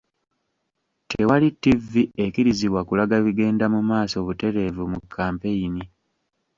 Tewali ttivi ekkirizibwa kulaga bigenda mu maaso butereevu mu kampeyini